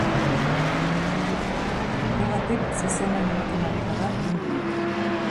Horregatik, zuzenean ematen ari gara den-dena.